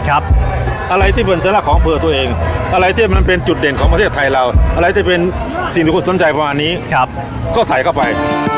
อะไรที่เป็นสัญลักษณ์ของอำเภอตัวเองอะไรที่มันเป็นจุดเด่นของประเทศไทยเราอะไรที่เป็นสิ่งที่คนสนใจประมาณนี้ก็ใส่เข้าไป